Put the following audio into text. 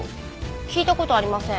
聞いた事ありません。